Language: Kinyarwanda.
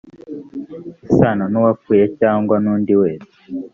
isano n uwapfuye cyangwa n undi wese